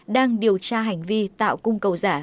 đang điều tra hành vi tạo cung cầu giả